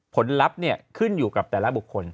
ผลลัพธ์ขึ้นอยู่กับแต่ละบุคคล